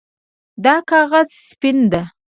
دا کاغذ سپین ده